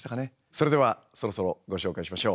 それではそろそろご紹介しましょう。